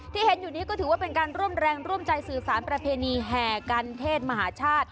ที่เห็นอยู่นี้ก็ถือว่าเป็นการร่วมแรงร่วมใจสื่อสารประเพณีแห่กันเทศมหาชาติ